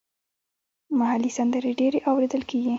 محلي سندرې ډېرې اوریدل کیږي.